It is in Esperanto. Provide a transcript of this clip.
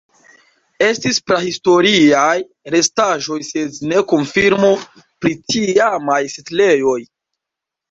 Estis prahistoriaj restaĵoj sed ne konfirmo pri tiamaj setlejoj.